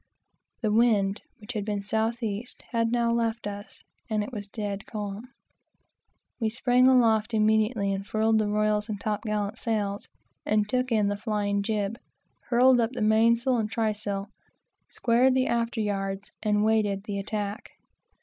The wind, which had been south east, had now left us, and it was dead calm. We sprang aloft immediately and furled the royals and top gallant sails, and took in the flying jib, hauled up the mainsail and trysail, squared the after yards, and awaited the attack.